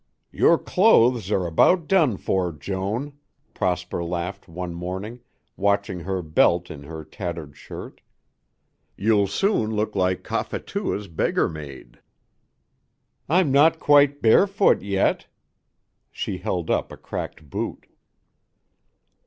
"Your clothes are about done for, Joan," Prosper laughed one morning, watching her belt in her tattered shirt; "you'll soon look like Cophetua's beggar maid." "I'm not quite barefoot yet." She held up a cracked boot.